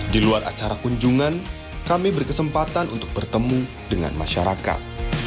di luar acara kunjungan kami berkesempatan untuk bertemu dengan masyarakat